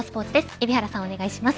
海老原さん、お願いします。